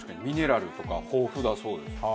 ミネラルとか豊富だそうです。